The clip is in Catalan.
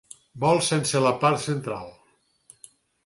Bol sense la part central.